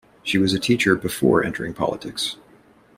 She was a teacher before entering politics.